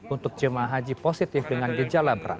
untuk jemaah haji positif dengan gejala berat